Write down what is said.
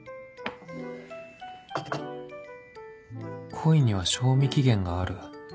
恋には賞味期限がある